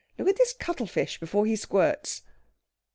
Look at this cuttlefish before he squirts."